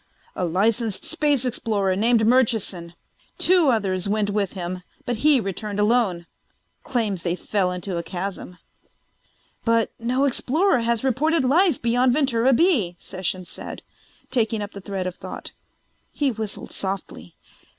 "A licensed space explorer named Murchison. Two others went with him but he returned alone. Claims they fell into a chasm." "But no explorer has reported life beyond Ventura B," Sessions said, taking up the thread of thought. He whistled softly.